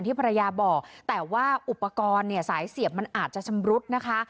ภรรยาบอกแต่ว่าอุปกรณ์เนี่ยสายเสียบมันอาจจะชำรุดนะคะ